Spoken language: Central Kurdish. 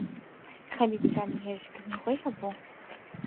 خەلیل پلانی هێرشکردنی خۆی هەبوو.